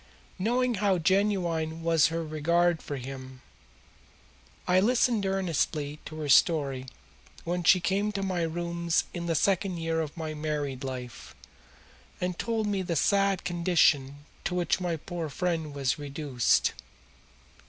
Knowing how genuine was her regard for him, I listened earnestly to her story when she came to my rooms in the second year of my married life and told me of the sad condition to which my poor friend was reduced.